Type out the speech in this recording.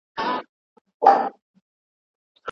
انفجار پر شاوخوا چاپیریال لوی اثر کوي.